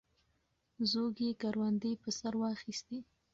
زوږ یې کروندې په سر واخیستې.